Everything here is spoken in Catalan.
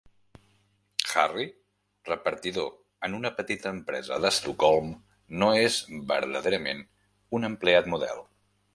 Harry, repartidor en una petita empresa d'Estocolm, no és verdaderament un empleat model.